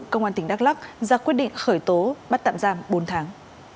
công an tỉnh đắk lắc ra quyết định khởi tố bắt tạm giam bốn tháng